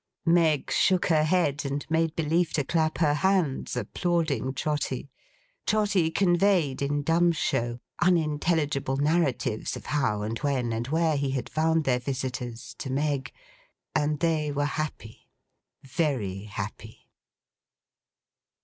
Meg shook her head, and made belief to clap her hands, applauding Trotty; Trotty conveyed, in dumb show, unintelligible narratives of how and when and where he had found their visitors, to Meg; and they were happy. Very happy.